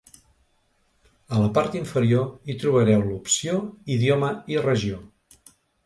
A la part inferior, hi trobareu l’opció “Idioma i regió”.